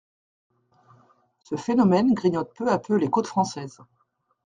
Ce phénomène grignote peu à peu les côtes françaises.